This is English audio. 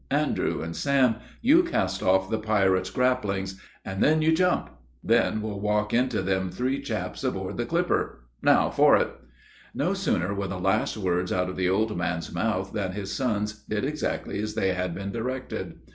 Andrew and Sam, you cast off the pirate's graplings; an' then you jump then we'll walk into them three chaps aboard the clipper. Now for it." No sooner were the last words out of the old man's mouth, than his sons did exactly as they had been directed.